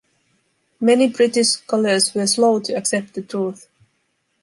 Many British scholars were slow to accept the truth.